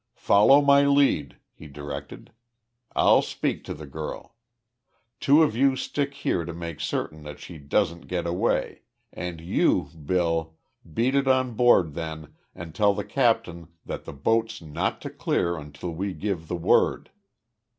"Follow my lead," he directed. "I'll speak to the girl. Two of you stick here to make certain that she doesn't get away, and you, Bill, beat it on board then and tell the captain that the boat's not to clear until we give the word.